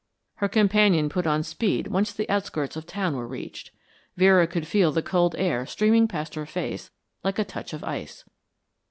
Her companion put on speed once the outskirts of town were reached. Vera could feel the cold air streaming past her face like a touch of ice.